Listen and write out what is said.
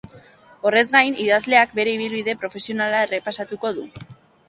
Horrez gain, idazleak bere ibilbide profesionala errepasatuko du.